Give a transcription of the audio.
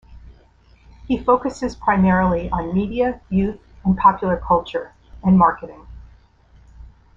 He focuses primarily on media, youth and popular culture, and marketing.